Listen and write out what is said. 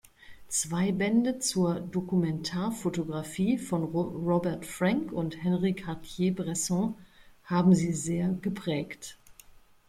Zwei Bände zur Dokumentarfotografie von Robert Frank und Henri Cartier-Bresson haben sie sehr geprägt.